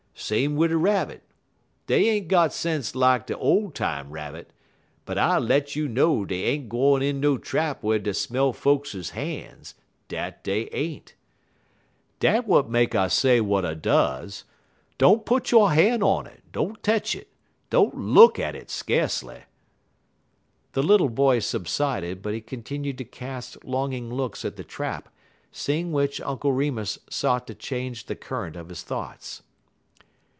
Same wid Rabbit. Dey ain't got sense lak de ole time Rabbit, but I let you know dey ain't gwine in no trap whar dey smell folks' han's dat dey ain't. Dat w'at make I say w'at I does. Don't put yo' han' on it; don't tetch it; don't look at it skacely." The little boy subsided, but he continued to cast longing looks at the trap, seeing which Uncle Remus sought to change the current of his thoughts.